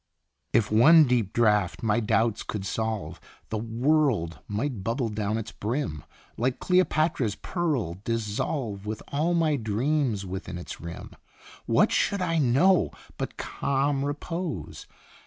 If one deep draught my doubts could solve, The world might bubble down its brim, Like Cleopatra's pearl dissolve, With all my dreams within its rim. What should I know but calm repose